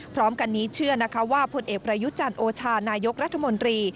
พร้อมกันนี้เชื่อว่าพลเอพรยุจันโอชานายกรัฐมนตรี